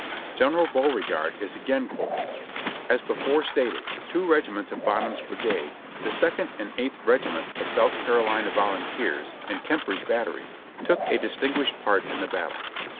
General Beauregard is again quoted : "As before stated, two regiments of Bonham's brigade, the Second and Eighth regi ments of South Carolina Volunteers and Kemper's battery, took a distinguished part in the battle.